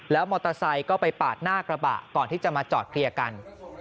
มอเตอร์ไซค์ก็ไปปาดหน้ากระบะก่อนที่จะมาจอดเคลียร์กัน